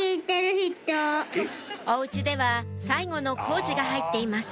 お家では最後の工事が入っています